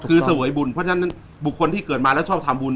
คือเสวยบุญเพราะฉะนั้นบุคคลที่เกิดมาแล้วชอบทำบุญ